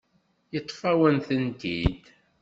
Yeṭṭef-awen-tent-id.